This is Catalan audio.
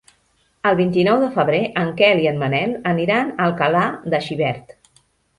El vint-i-nou de febrer en Quel i en Manel aniran a Alcalà de Xivert.